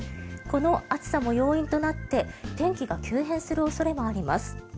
この暑さも要因となって天気が急変する恐れもあります。